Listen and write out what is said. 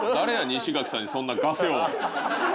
西垣さんにそんなガセを。